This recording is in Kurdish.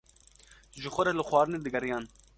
Ji xwe re li xwarinê digeriyan.